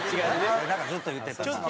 それずっと言ってたな。